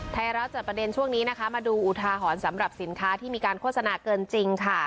ไทยรัฐจัดประเด็นช่วงนี้นะคะมาดูอุทาหรณ์สำหรับสินค้าที่มีการโฆษณาเกินจริงค่ะ